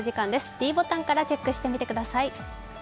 ｄボタンからチェックしてみてください。